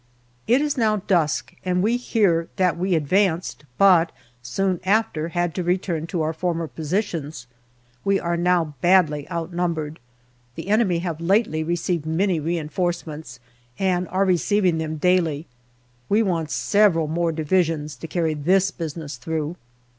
It is now dusk and we hear that we advanced, but soon after had to return to our former positions. We are now badly outnumbered. The enemy have lately re ceived many reinforcements, and are receiving them daily. We want several more Divisions to carry this business through.